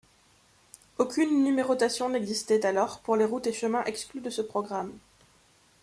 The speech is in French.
Aucune numérotation n'existait alors pour les routes et chemins exclus de ce programme.